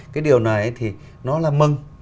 cái điều này thì nó là mừng